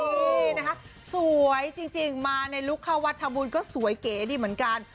นี่นะคะสวยจริงมาในลุคเข้าวัดทำบุญก็สวยเก๋ดีเหมือนกัน